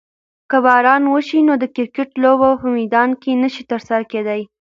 که باران وشي نو د کرکټ لوبه په میدان کې نشي ترسره کیدی.